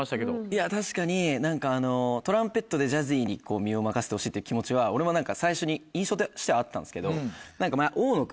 いや確かに何かあのトランペットでジャジーに身を任せてほしいっていう気持ちは俺も最初に印象としてはあったんですけど前。